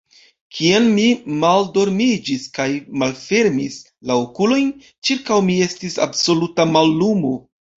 Kiam mi maldormiĝis kaj malfermis la okulojn, ĉirkaŭ mi estis absoluta mallumo.